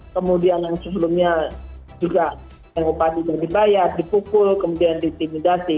kemudian yang sebelumnya juga yang opadi dari bayar dipukul kemudian diintimidasi